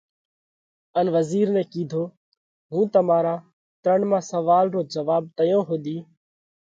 ان وزِير نئہ ڪِيڌو: هُون تمارا ترڻما سوئال رو جواٻ تئيون ۿُوڌِي